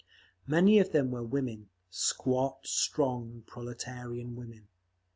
Many of them were women—squat, strong proletarian women.